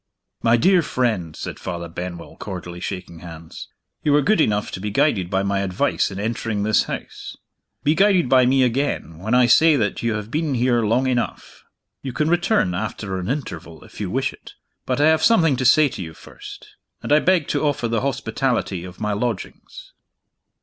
"My dear friend," said Father Benwell, cordially shaking hands, "you were good enough to be guided by my advice in entering this house. Be guided by me again, when I say that you have been here long enough. You can return, after an interval, if you wish it. But I have something to say to you first and I beg to offer the hospitality of my lodgings."